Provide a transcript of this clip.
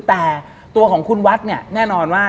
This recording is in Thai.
แต่ตัวของคุณวัดแน่นอนว่า